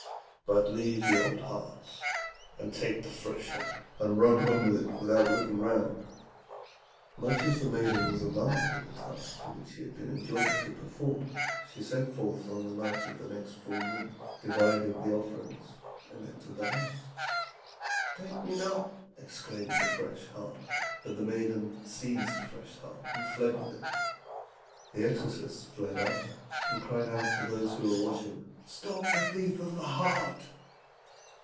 But leave the old hearts and take the fresh one, and run home with it without looking round.' "Much as the maiden was alarmed at the task which she had been enjoined to perform, she set forth on the night of the next full moon, divided the offerings, and entered the house. 'Take me not!' exclaimed the fresh heart; but the maiden seized the fresh heart and fled with it. The exorcists fled after her, and cried out to those who were watching, 'Stop the thief of the heart!'